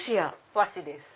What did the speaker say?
和紙です。